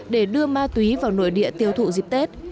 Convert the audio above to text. để đưa ma túy vào nội địa tiêu thụ dịp tết